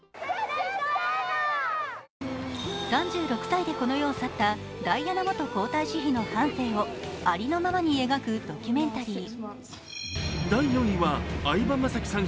３６歳でこの世を去ったダイアナ元皇太子妃の半生をありのままに描くドキュメンタリー。